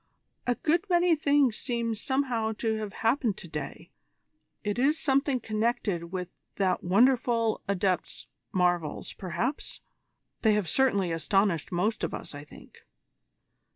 "A good many things seem somehow to have happened to day. It is something connected with that wonderful Adept's marvels, perhaps? They have certainly astonished most of us, I think."